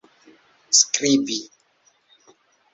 skribi